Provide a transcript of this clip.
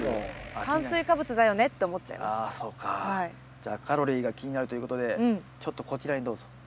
じゃあカロリーが気になるということでちょっとこちらにどうぞ。